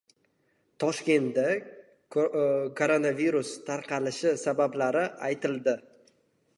Toshkentda koronavirus tarqalishi sabablari aytildi